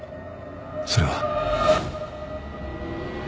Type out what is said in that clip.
それは。